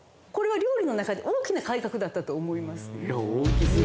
これは料理の中で、大きな改革だったと思います。